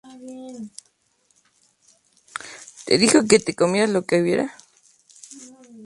En primer lugar, cada una representa uno de los títulos del Mesías.